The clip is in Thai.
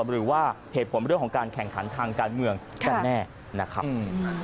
หรือว่าเหตุผลเรื่องของการแข่งขันทางการเมืองกันแน่นะครับ